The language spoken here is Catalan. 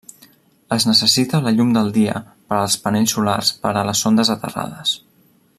Es necessita la llum del dia per als panells solars per les sondes aterrades.